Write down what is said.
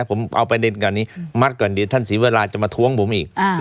ผมเอาประเด็นกับนี้มัดก่อนดีท่านศิเวอราชจะมาท้วงผมอีก